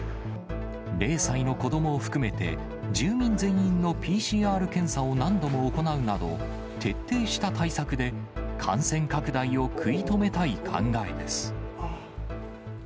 ０歳の子どもを含めて、住民全員のＰＣＲ検査を何度も行うなど、徹底した対策で、感染拡大を食い止めたい考えです。